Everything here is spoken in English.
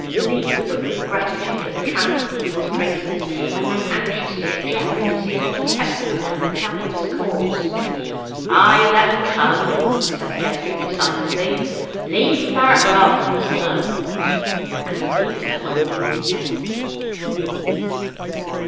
Leaf looked with gratitude at the tranter for these praises, and then anxiously at Geoffrey, to see what effect they would have in helping his cause. "Ay, let en come," said Geoffrey decisively. "Leaf, th'rt welcome, 'st know;" and Leaf accordingly remained.